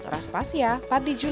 ras pasia fardy julian jakarta